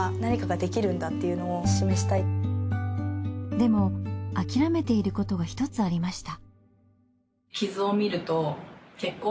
でも諦めていることが一つありました。